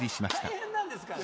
大変なんですから。